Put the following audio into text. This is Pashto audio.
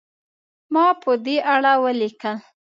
ما په دې اړه ولیکل.